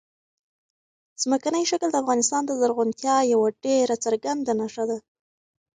ځمکنی شکل د افغانستان د زرغونتیا یوه ډېره څرګنده نښه ده.